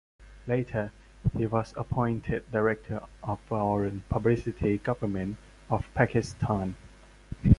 Later, he was appointed Director of Foreign Publicity, Government of Pakistan.